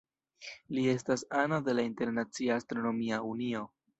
Li estas ano de la Internacia Astronomia Unio.